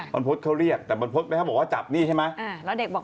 บรรพธเขาเรียกแต่บรรพธเขาบอกว่าจับนี่ใช่ไหม